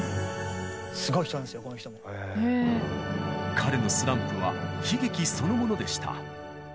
彼のスランプは悲劇そのものでした。